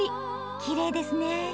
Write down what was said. きれいですね。